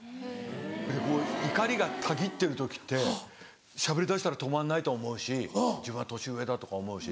怒りがたぎってる時ってしゃべりだしたら止まんないと思うし自分は年上だとか思うし。